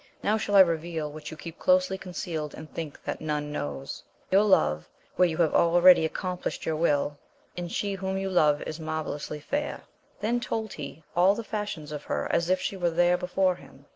Now shall I reveal what you keep closely concealed and think that none knows. You love, where you have al ready accomplished your will, and she whom you love is marvellously fair; then told he all the fashions of her as if she were there before him.